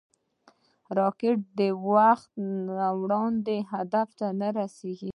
راکټ د وخت نه وړاندې هدف ته رسېږي